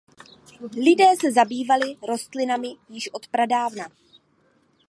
Lidé se zabývali rostlinami již od pradávna.